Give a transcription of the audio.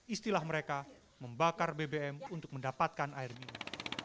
istilah mereka membakar bbm untuk mendapatkan air minum